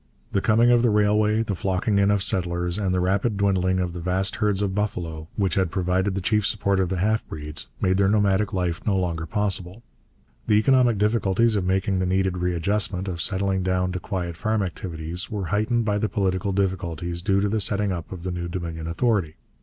The coming of the railway, the flocking in of settlers, and the rapid dwindling of the vast herds of buffalo which had provided the chief support of the half breeds, made their nomadic life no longer possible. The economic difficulties of making the needed readjustment, of settling down to quiet farm activities, were heightened by the political difficulties due to the setting up of the new Dominion authority.